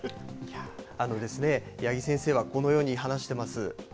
八木先生はこのように話してます。